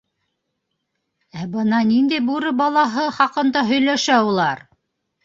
Ә бына ниндәй бүре балаһы хаҡында һөйләшә улар?